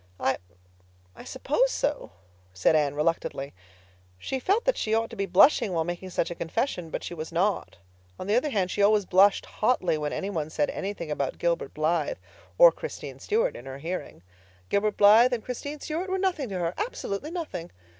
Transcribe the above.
"I—I suppose so," said Anne reluctantly. She felt that she ought to be blushing while making such a confession; but she was not; on the other hand, she always blushed hotly when any one said anything about Gilbert Blythe or Christine Stuart in her hearing. Gilbert Blythe and Christine Stuart were nothing to her—absolutely nothing.